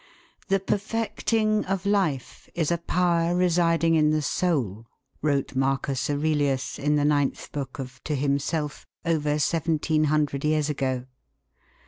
'The perfecting of life is a power residing in the soul,' wrote Marcus Aurelius in the ninth book of To Himself, over seventeen hundred years ago.